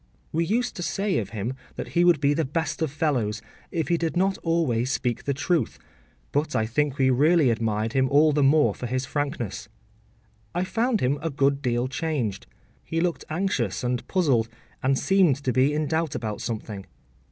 We used to say of him that he would be the best of fellows, if he did not always speak the truth, but I think we really admired him all the more for his frankness. I found him a good deal changed. He looked anxious and puzzled, and seemed to be in doubt about something.